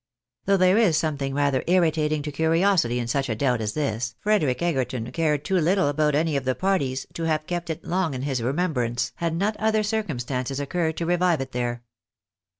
^ Though there is something rather irritating to curiosity in such a doubt as this, Frederic Egerton cared too little about any of the parties, to have kept it long in his remembrance, had not other cir cumstances occurred to revive it there.